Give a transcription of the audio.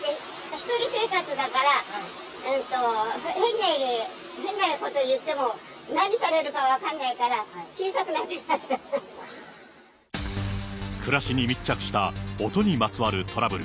１人生活だから、変なこと言っても、何されるか分かんないから、暮らしに密着した音にまつわるトラブル。